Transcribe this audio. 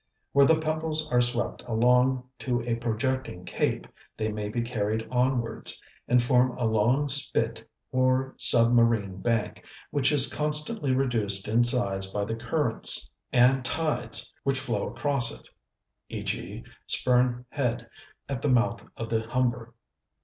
Where the pebbles are swept along to a projecting cape they may be carried onwards and form a long spit or submarine bank, which is constantly reduced in size by the currents and tides which flow across it (e.g. Spurn Head at the mouth of the Humber).